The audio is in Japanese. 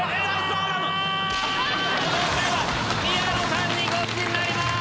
今回は宮野さんにゴチになります！